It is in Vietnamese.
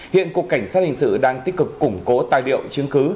hiện cục cảnh sát hình sự đang tích cực củng cố tài liệu chứng cứ